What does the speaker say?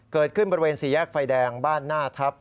เกิดขึ้นบริเวณสี่แยกไฟแดงบ้านหน้าทัพ